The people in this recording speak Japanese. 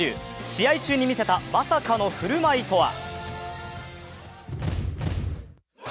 試合中に見せたまさかの振る舞いとは？